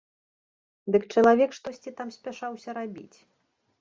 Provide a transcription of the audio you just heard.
Дык чалавек штосьці там спяшаўся рабіць.